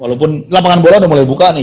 walaupun lapangan bola udah mulai buka nih